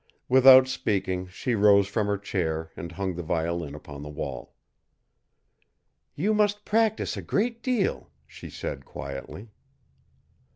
Without speaking, she rose from her chair and hung the violin upon the wall. "You must practise a great deal," she said quietly.